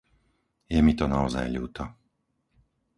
Je mi to naozaj ľúto.